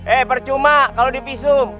eh percuma kalau di visum